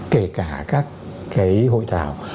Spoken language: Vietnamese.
kể cả các cái hội tạo